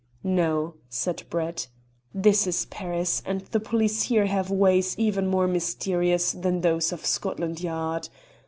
"No," said Brett; "this is Paris, and the police here have ways even more mysterious than those of Scotland Yard.